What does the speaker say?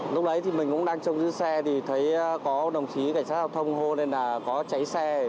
lúc đấy thì mình cũng đang trông giữ xe thì thấy có đồng chí cảnh sát giao thông hô nên là có cháy xe